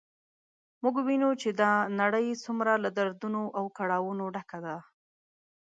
موږ وینو چې دا نړی څومره له دردونو او کړاوونو ډکه ده